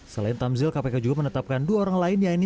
selain tamzil kpk juga menetapkan dua orang lain yaitu